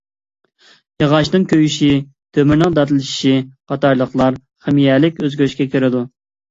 ياغاچنىڭ كۆيۈشى، تۆمۈرنىڭ داتلىشىشى قاتارلىقلار خىمىيەلىك ئۆزگىرىشكە كىرىدۇ.